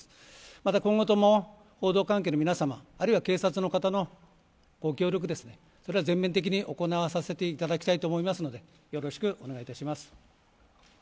また今後とも報道関係の皆様また警察の方のご協力ですとかそれは全面的に行わせていただきたいと思いますのでよろしくお願いいたします。